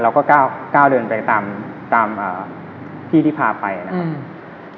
เราก็ก้าวเดินไปตามตามที่ที่พาไปนะครับ